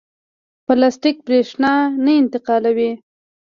پلاستیک برېښنا نه انتقالوي.